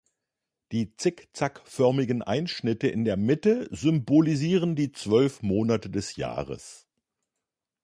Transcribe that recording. Die Zick-Zack-förmigen Einschnitte in der Mitte symbolisieren die zwölf Monate des Jahres.